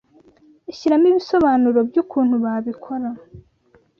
Shyiramo ibisobanuro byukuntu babikora